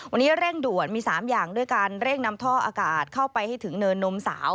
วันนี้เร่งด่วนมี๓อย่างด้วยการเร่งนำท่ออากาศเข้าไปให้ถึงเนินนมสาว